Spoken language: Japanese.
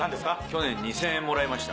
去年２０００円もらいました。